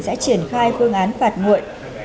sẽ triển khai phương án phạt nguội